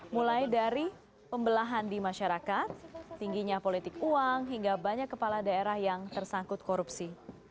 mulai dari pembelahan di masyarakat tingginya politik uang hingga banyak kepala daerah yang tersangkut korupsi